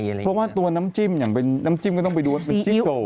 เพราะว่าตัวน้ำจิ้มอย่างเป็นน้ำจิ้มก็ต้องไปดูว่ามันจิ้โกะ